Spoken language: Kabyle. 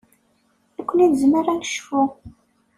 Nekkni nezmer ad necfu.